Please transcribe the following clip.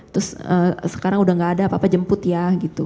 terus sekarang udah gak ada papa jemput ya